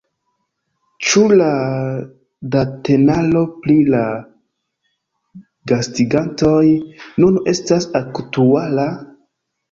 Ĉu la datenaro pri la gastigantoj nun estas aktuala?